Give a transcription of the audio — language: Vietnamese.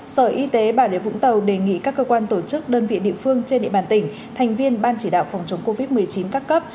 sở y tế bà rịa vũng tàu đề nghị các cơ quan tổ chức đơn vị địa phương trên địa bàn tỉnh thành viên ban chỉ đạo phòng chống covid một mươi chín các cấp